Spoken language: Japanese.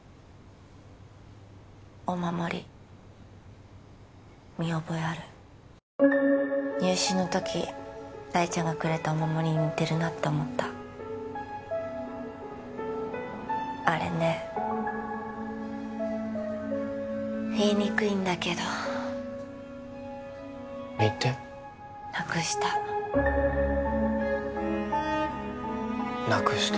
お守り見覚えある入試のとき大ちゃんがくれたお守りに似てるなって思ったあれね言いにくいんだけど言ってなくしたなくした？